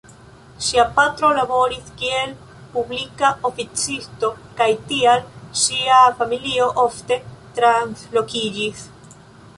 Ŝia patro laboris kiel publika oficisto kaj tial ŝia familio ofte translokiĝis.